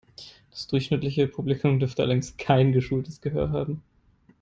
Das durchschnittliche Publikum dürfte allerdings kein geschultes Gehör haben.